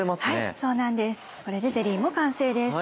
これでゼリーも完成です。